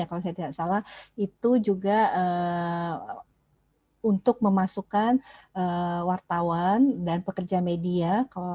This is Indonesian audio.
kalau saya tidak salah itu juga untuk memasukkan wartawan dan pekerja media